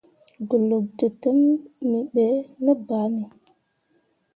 Goluk tǝtǝmmi ɓe ne banne.